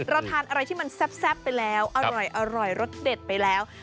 ทานอะไรที่มันแซ่บไปแล้วอร่อยรสเด็ดไปแล้ว